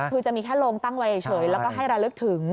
คือจะมีแค่โรงตั้งไว้เฉยแล้วก็ให้ระลึกถึง